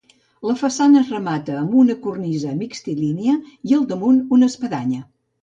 La façana es remata amb una cornisa mixtilínia, i al damunt, una espadanya.